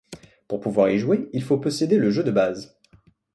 Pour pouvoir y jouer, il faut posséder le jeu de base.